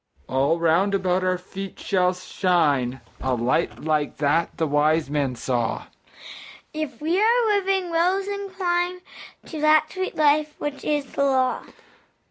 All round about our feet shall shine A light like that the wise men saw, If we our living wills incline To that sweet Life which is the Law.